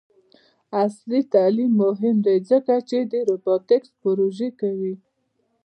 عصري تعلیم مهم دی ځکه چې د روبوټکس پروژې کوي.